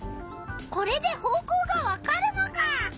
これで方向がわかるのか！